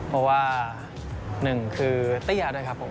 เพราะว่าหนึ่งคือเตี้ยด้วยครับผม